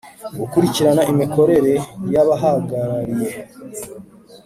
Gukurikirana imikorere y abahagarariye